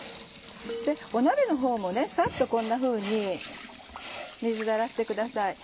鍋のほうもさっとこんなふうに水で洗ってください。